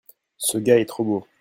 ce gars est trop beau.